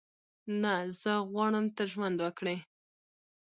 نه، زه غواړم ته ژوند وکړې.